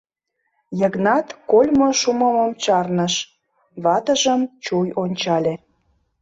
Йыгнат кольмо шумымым чарныш, ватыжым чуй ончале.